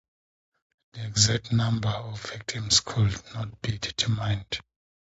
The exact number of victims could not be determined.